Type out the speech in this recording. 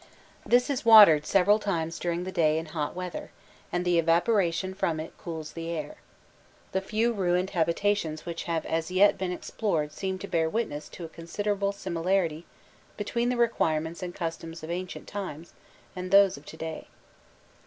This is watered several times during the day in hot weather, and the evaporation from it cools the air. The few ruined habitations which have as yet been explored seem to bear witness to a considerable similarity between the requirements and customs of ancient times and those of to day.